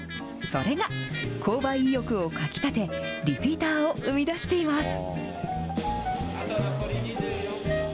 それが購買意欲をかきたて、リピーターを生み出しています。